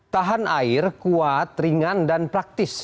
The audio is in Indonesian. tahan air kuat ringan dan praktis